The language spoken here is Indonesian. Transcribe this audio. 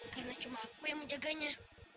karena cuma aku yang menjaganya